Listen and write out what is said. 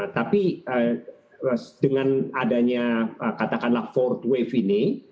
tapi dengan adanya katakanlah ford wave ini